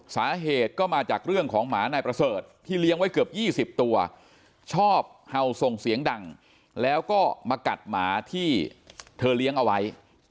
สาเหตุก็มาจากเรื่องของหมานายประเสริฐที่เลี้ยงไว้เกือบ๒๐ตัวชอบเห่าส่งเสียงดังแล้วก็มากัดหมาที่เธอเลี้ยงเอาไว้